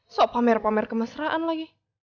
so pamer pamer kemesraan lagi